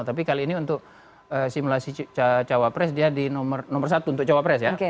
tapi kali ini untuk simulasi cawapres dia di nomor satu untuk cawapres ya